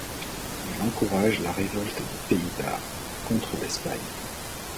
Il encourage la révolte des Pays-Bas contre l'Espagne.